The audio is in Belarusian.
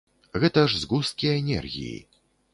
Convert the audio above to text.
Гэта ж згусткі энергіі!